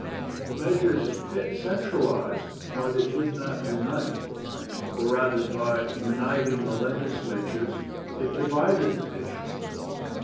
The measure of Pitt centralized, but it did not unite, or rather, by uniting the Legislatures it divided the nations.